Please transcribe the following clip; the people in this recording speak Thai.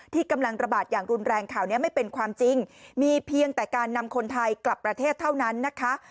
ที่กำลังระบาดอย่างรุนแรงข่าวนี้ไม่เป็นความจริงมีเพียงแต่การนำคนไทยกลับประเทศเท่านั้นนะคะ